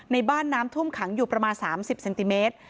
ในบ้านน้ำท่วมขังอยู่ประมาณ๓๐เซนติเมตร